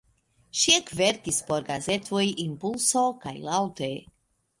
Ŝi ekverkis por gazetoj "Impulso" kaj "Laŭte".